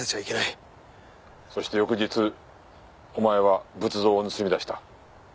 そして翌日お前は仏像を盗み出した。